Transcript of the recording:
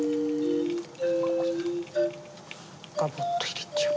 ガボッと入れちゃう。